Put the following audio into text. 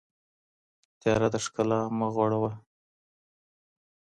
تياره د ښکلا مه غوړوه